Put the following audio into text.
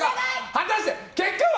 果たして結果は？